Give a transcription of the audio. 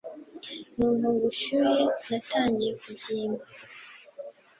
numva ubushyuhe, natangiye kubyimba.